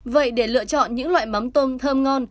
vậy để lựa chọn những loại mắm tôm thơm ngon